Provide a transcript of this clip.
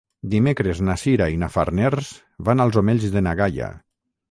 Dimecres na Sira i na Farners van als Omells de na Gaia.